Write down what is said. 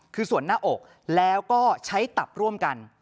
คือส่วนหน้าอกแล้วก็ใช้ตับร่วมกัน